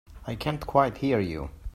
I can't quite hear you.